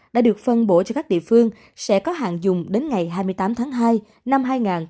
đã được phân bổ cho các địa phương sẽ có hàng dùng đến ngày hai mươi tám tháng hai năm hai nghìn hai mươi